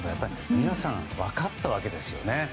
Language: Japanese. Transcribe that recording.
皆さん、分かったわけですよね。